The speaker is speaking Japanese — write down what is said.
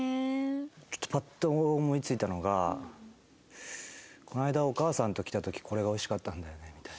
ちょっとパッと思いついたのがこの間お母さんと来た時これが美味しかったんだよねみたいな。